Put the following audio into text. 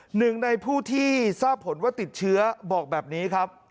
หนึ่งในผู้ที่ทราบผลว่าติดเชื้อบอกแบบนี้ครับ